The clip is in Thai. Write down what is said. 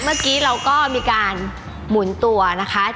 เมื่อกี้เราก็มีการหมุนตัวนะคะ